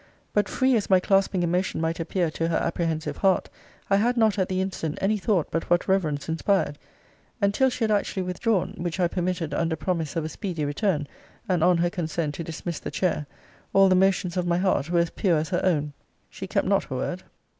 But free as my clasping emotion might appear to her apprehensive heart, I had not, at the instant, any thought but what reverence inspired. And till she had actually withdrawn [which I permitted under promise of a speedy return, and on her consent to dismiss the chair] all the motions of my heart were as pure as her own. She kept not her word.